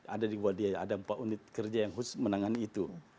ada di gua dia ada empat unit kerja yang khusus menangani itu